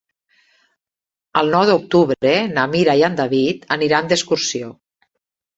El nou d'octubre na Mira i en David aniran d'excursió.